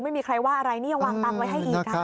ไม่มีใครว่าอะไรนี่ยังวางตังค์ไว้ให้อีก